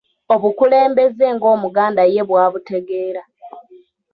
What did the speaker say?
Obukulembeze ng’Omuganda ye bw’abutegeera.